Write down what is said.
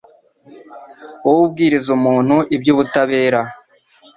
wowe ubwiriza umuntu iby’ubutabera